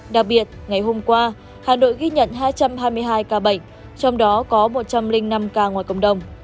đặc biệt ngày hôm qua hà nội ghi nhận hai trăm hai mươi hai ca bệnh trong đó có một trăm linh năm ca ngoài cộng đồng